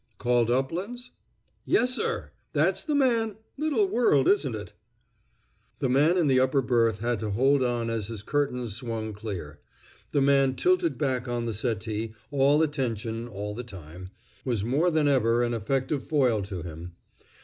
"Called Uplands?" "Yes, sir! That's the man. Little world, isn't it?" The man in the upper berth had to hold on as his curtains swung clear; the man tilted back on the settee, all attention all the time, was more than ever an effective foil to him.